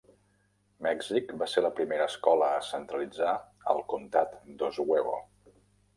Mèxic va ser la primera escola a centralitzar el comtat d'Oswego.